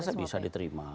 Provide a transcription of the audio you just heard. saya rasa bisa diterima